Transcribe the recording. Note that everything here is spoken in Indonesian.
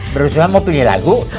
bro suha mau pilih lagu